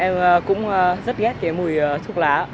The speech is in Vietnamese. em cũng rất ghét cái mùi thuốc lá